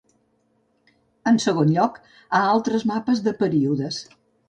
En segon lloc, a altres mapes de períodes.